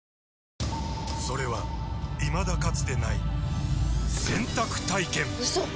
それはいまだかつてない洗濯体験‼うそっ！